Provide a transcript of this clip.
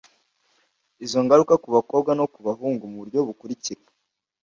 izo ngaruka ku bakobwa no ku bahungu mu buryo bukurikira